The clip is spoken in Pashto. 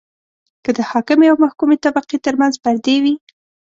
که د حاکمې او محکومې طبقې ترمنځ پردې وي.